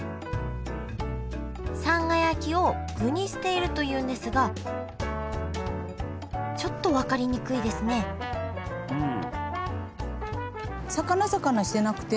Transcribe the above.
さんが焼きを具にしているというんですがちょっと分かりにくいですねうん。